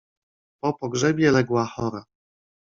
"Po pogrzebie legła chora."